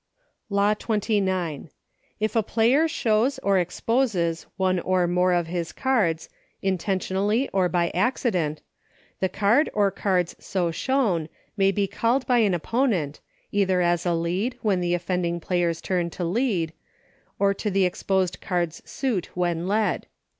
Law XXIX. If a player shows, or exposes, one or more of his cards, intentionally or by accident, the card or cards so shown may be called by an opponent, either as a lead, when the offending LAWS. 101 player's turn to lead, or to the exposed card's suit when led.